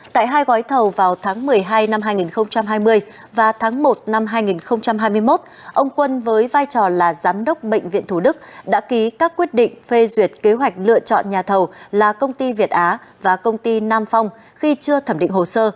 tại hai gói thầu vào tháng một mươi hai năm hai nghìn hai mươi và tháng một năm hai nghìn hai mươi một ông quân với vai trò là giám đốc bệnh viện thủ đức đã ký các quyết định phê duyệt kế hoạch lựa chọn nhà thầu là công ty việt á và công ty nam phong khi chưa thẩm định hồ sơ